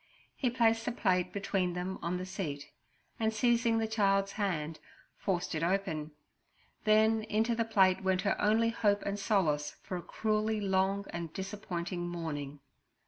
He placed the plate between them on the seat, and seizing the child's hand, forced it open; then into the plate went her only hope and solace for a cruelly long and disappointing morning.